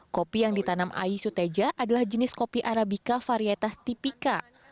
kopi yang ditanam ai suteja adalah jenis kopi arabica varietas tipika